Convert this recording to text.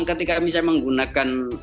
ketika misalnya menggunakan